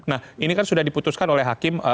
nah ini kan sudah diputuskan oleh hakim